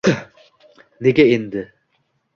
Nega endi?